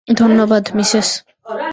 ধন্যবাদ, মিসেস।